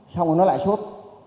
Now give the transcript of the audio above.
xong rồi nó lại sốt